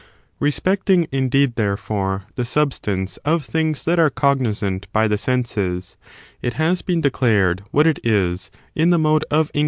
Respecting, indeed, therefore, the substance ^ y^ j^c , of things that are cognisant by the senses, it enceismadeto has been declared what it is, in the mode of in i?